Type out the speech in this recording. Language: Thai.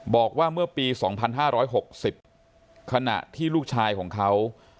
บอกว่าเมื่อปี๒๕๖๐ขณะที่ลูกชายของเขา